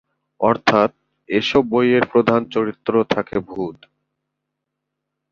অর্থাৎ এসব বইয়ের প্রধান চরিত্র থাকে ভূত।